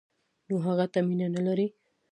نو هغه ته مینه نه لري.